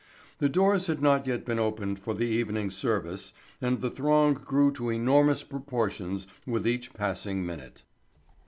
The doors had not yet been opened for the evening service and the throng grew to enormous proportions with each passing minute.